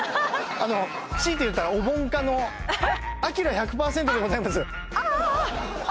あの強いて言ったらお盆課のアキラ１００％でございますあっああああああ！